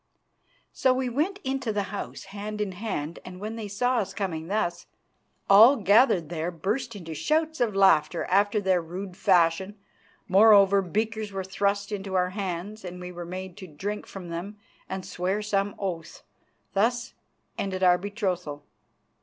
So we went into the house hand in hand, and when they saw us coming thus, all gathered there burst into shouts of laughter after their rude fashion. Moreover, beakers were thrust into our hands, and we were made to drink from them and swear some oath. Thus ended our betrothal.